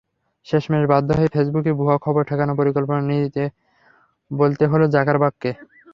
শেষমেশ বাধ্য হয়ে ফেসবুকে ভুয়া খবর ঠেকানোর পরিকল্পনা নিয়ে বলতে হলো জাকারবার্গকে।